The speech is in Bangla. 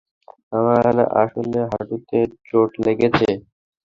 আমার আসলে হাঁটুতে চোট লেগেছে।